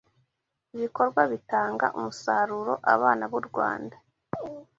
Ibikorwa bitanga umusaruroAbana b’u Rwanda